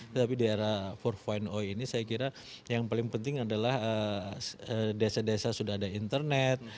tetapi di era empat ini saya kira yang paling penting adalah desa desa sudah ada internet